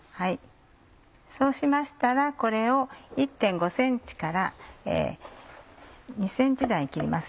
そうしましたらこれを１．５ｃｍから２ｃｍ大に切ります